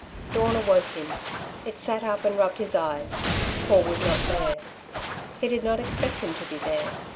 Dawn awoke him. He sat up and rubbed his eyes. Paul was not there. He did not expect him to be there.